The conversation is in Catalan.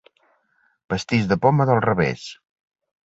Pastís de poma del revés.